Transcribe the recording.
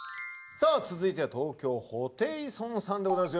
さあ続いては東京ホテイソンさんでございます。